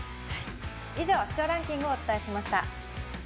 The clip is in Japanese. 以上、視聴ランキングをお伝えしました。